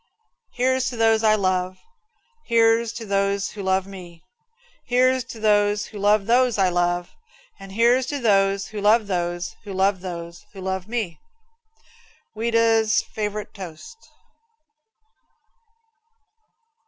Here's to those I love; Here's to those who love me; Here's to those who love those I love, And here's to those who love those who love those who love me. Ouida's Favorite Toast.